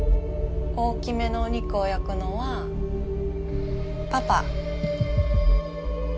大きめのお肉を焼くのはパパ。